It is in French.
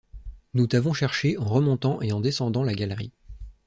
Nous t’avons cherché en remontant et en descendant la galerie.